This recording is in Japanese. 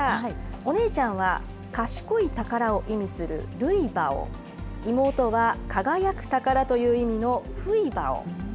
お姉ちゃんは賢い宝を意味するルイバオ、妹は輝く宝という意味のフイバオ。